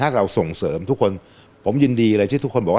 ถ้าเราส่งเสริมทุกคนผมยินดีเลยที่ทุกคนบอกว่า